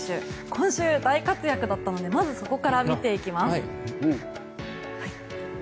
今週、大活躍だったのでまずそこから見ていきます。